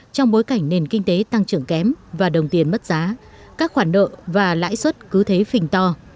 trong bối cảnh nền kinh tế tăng trưởng kém và đồng tiền mất giá các khoản nợ và lãi suất cứ thế phình to